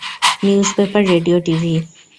Newspaper, radio, TV.